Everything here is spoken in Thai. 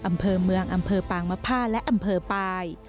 อำเภอเมืองอำเภอปางมภาและอำเภอปลาย